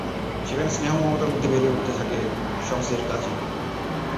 সেখানে স্নেহ-মমতার মধ্যে বেড়ে উঠতে থাকেন শমসের গাজী।